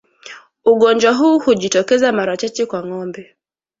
Ugonjwa huu hujitokeza mara chache kwa ngombe